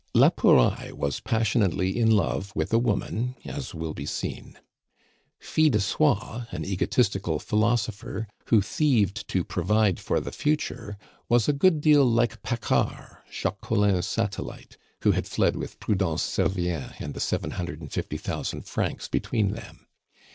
La Pouraille was passionately in love with a woman, as will be seen. Fil de Soie, an egotistical philosopher, who thieved to provide for the future, was a good deal like Paccard, Jacques Collin's satellite, who had fled with Prudence Servien and the seven hundred and fifty thousand francs between them.